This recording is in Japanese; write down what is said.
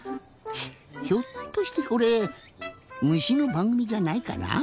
ひょっとしてこれむしのばんぐみじゃないから？